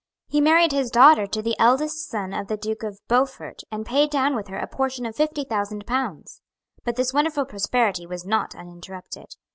He married his daughter to the eldest son of the Duke of Beaufort, and paid down with her a portion of fifty thousand pounds. But this wonderful prosperity was not uninterrupted.